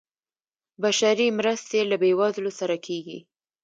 بشري مرستې له بیوزلو سره کیږي